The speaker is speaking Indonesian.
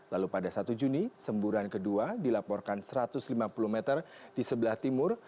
lalu pada satu juni semburan kedua dilaporkan satu ratus lima puluh meter di sebelah timur